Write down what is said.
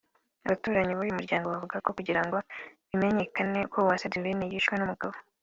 Abaturanyi b’ uyu muryango bavuga ko kugira ngo bimenyekane ko Uwase Divine yishwe n’ umugabo